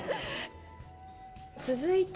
続いて。